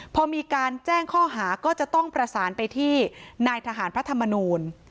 พอมีการแจ้งข้อหาก็จะต้องประสานไปที่นายทหารพระธรรมนูล